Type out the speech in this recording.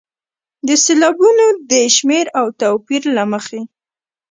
د سېلابونو د شمېر او توپیر له مخې.